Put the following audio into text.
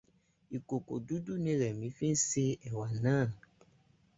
Ìkòkò dúdú ni Rẹ̀mi fi se ẹ̀wà náà.